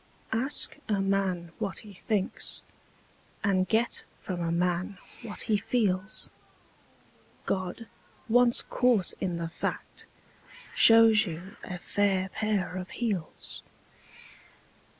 Ask a man what he thinks, and get from a man what he feels: God, once caught in the fact, shows you a fair pair of heels.